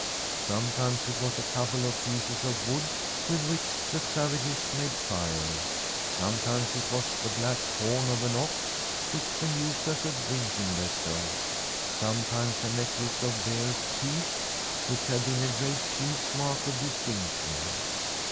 Sometimes it was a couple of pieces of wood with which the savages made fire; sometimes it was the black horn of an ox, which they used as a drinking vessel ; sometimes a necklace of bear's teeth, which had been a great chiefs mark of dis tinction.